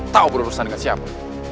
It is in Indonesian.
tahu berurusan dengan siapa